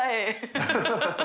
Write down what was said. ハハハ